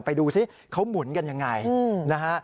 ไปดูซิเขาหมุนกันยังไงนะฮะ